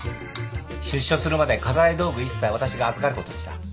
出所するまで家財道具一切私が預かることにした。